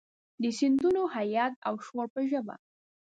د سیندونو د هیبت او شور په ژبه،